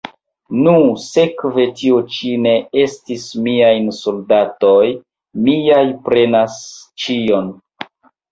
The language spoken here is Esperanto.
Nu, sekve tio ĉi ne estis miaj soldatoj; miaj prenas ĉion.